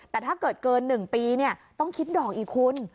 แต่ถ้าเกิดเกิน๑ปีต้องคิดดอกอีกคุณ